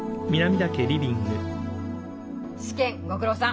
試験ご苦労さん！